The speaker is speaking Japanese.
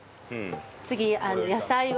次野菜を。